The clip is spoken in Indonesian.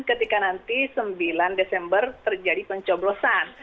ketika nanti sembilan desember terjadi pencoblosan